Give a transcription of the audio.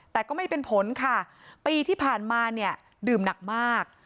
แต่ก็ไม่เป็นผลค่ะปีที่ผ่านมาเนี่ยดื่มหนักมาก